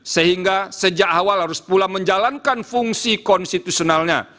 sehingga sejak awal harus pula menjalankan fungsi konstitusionalnya